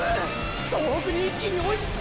総北に一気に追いつく！！